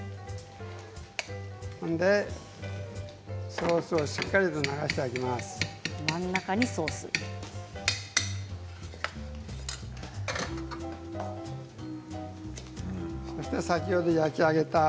ソースをしっかりと流してあげます。